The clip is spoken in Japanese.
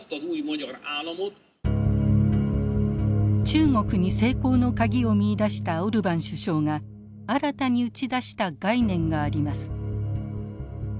中国に成功のカギを見いだしたオルバン首相が新たに打ち出した概念があります。